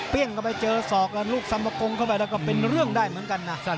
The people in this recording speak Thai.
เข้าไปเจอศอกแล้วลูกสัมปกงเข้าไปแล้วก็เป็นเรื่องได้เหมือนกันนะ